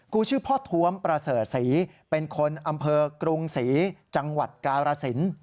ชื่อพ่อท้วมประเสริฐศรีเป็นคนอำเภอกรุงศรีจังหวัดกาลสิน